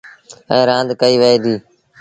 ايٚئيٚن رآند ڪئيٚ وهي ديٚ۔